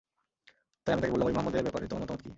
তাই আমি তাকে বললাম, ঐ মুহাম্মদের ব্যাপারে তোমার মতামত কী?